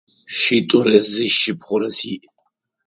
Шитӏурэ зы шыпхъурэ сиӏ.